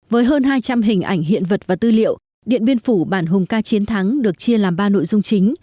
với hơn hai trăm linh hình ảnh hiện vật và tư liệu điện biên phủ bản hùng ca chiến thắng được chia làm ba nội dung chính